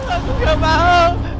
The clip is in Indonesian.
aku gak mau